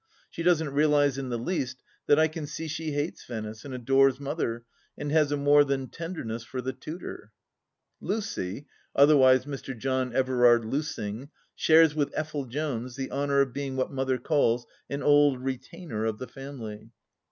She doesn't realize in the least that I can see she hates Venice and adores Mother and has a more than tenderness for the tutor. " Lucy," otherwise Mr. John Everard Lucing, shares with Effel Jones the honour of being what Mother calls an old retainer of the family.